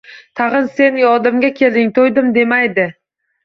Tag’in sen yodimga kelding, to’ydim demaydi